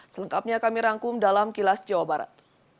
selengkapnya kami rangkum dalam kilas jawa barat